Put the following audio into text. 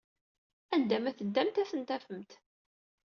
Anda ma teddamt, ad ten-tafemt.